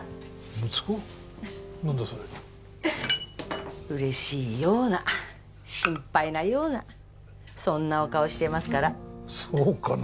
何だそれ嬉しいような心配なようなそんなお顔してますからそうかな？